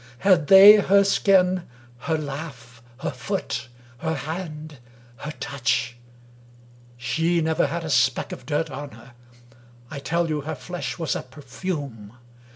Had they her skin, her laugh, her foot, her hand, her touch ? 5"*^ never had a speck of dirt on her: I tell you her flesh was a perfume.